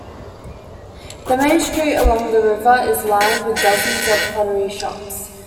The main street along the river is lined with dozens of pottery shops.